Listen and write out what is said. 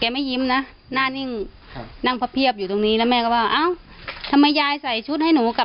ไม่ค่ะน้องไม่คุยน้องไม่ยิ้มค่ะ